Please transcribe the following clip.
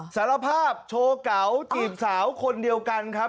สารภาพโชว์เก๋าจีบสาวคนเดียวกันครับ